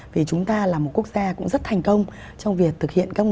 vì chúng ta là một quốc gia cũng rất thành công trong việc thực hiện các nguồn đầu tư